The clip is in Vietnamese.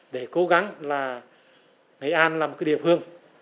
để cố gắng là nghệ an là một cái địa phương